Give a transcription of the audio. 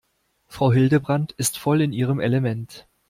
Frau Hildebrand ist voll in ihrem Element.